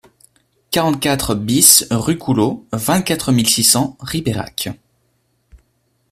quarante-quatre BIS rue Couleau, vingt-quatre mille six cents Ribérac